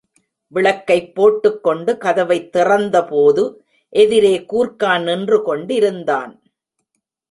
விளக்கைப் போட்டுக் கொண்டு கதவைத் திறந்தபோது, எதிரே கூர்க்கா நின்று கொண்டிருந் தான்.